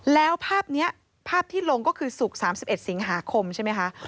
แล้วภาพนี้ภาพที่ลงก็คือศุกร์๓๑สิงหาคมใช่ไหมคะ